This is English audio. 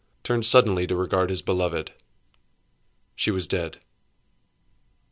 turned suddenly to regard his beloved:—She was dead!"